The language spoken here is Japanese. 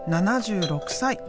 ７６歳。